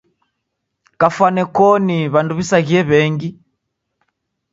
Kafwani koni w'andu w'asaghie w'engi.